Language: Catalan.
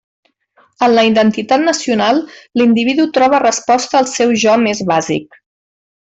En la identitat nacional l'individu troba resposta al seu «jo» més bàsic.